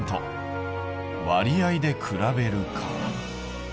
「割合で比べる」か。